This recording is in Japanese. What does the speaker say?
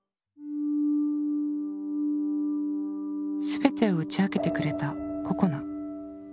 すべてを打ち明けてくれたここな。